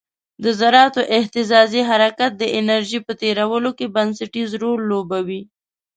د ذراتو اهتزازي حرکت د انرژي په تیرولو کې بنسټیز رول لوبوي.